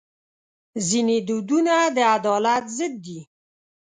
ځینې دودونه د عدالت ضد دي.